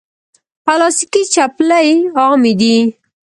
پلاستيکي چپلی عامې دي.